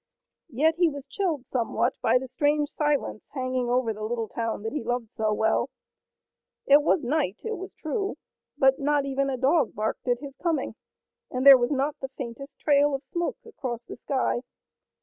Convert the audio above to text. Yet he was chilled somewhat by the strange silence hanging over the little town that he loved so well. It was night, it was true, but not even a dog barked at his coming, and there was not the faintest trail of smoke across the sky.